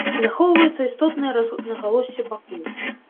Захоўваюцца істотныя рознагалоссі бакоў.